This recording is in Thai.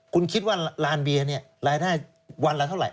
คุณคิดว่าลานเบียร์เนี่ยรายได้วันละเท่าไหร